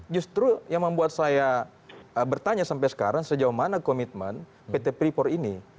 justru yang membuat saya bertanya sampai sekarang sejauh mana komitmen pt freeport ini